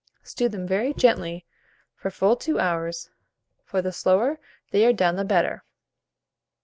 Stew them very gently for full 2 hours; for the slower they are done the better.